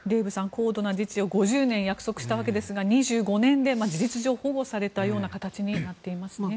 高度な自治を５０年約束したわけですが２５年で事実上反故にされたような形になっていますね